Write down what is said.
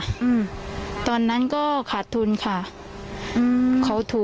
ความปลอดภัยของนายอภิรักษ์และครอบครัวด้วยซ้ำ